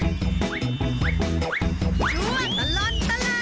ช่วยด้าลอลตลาด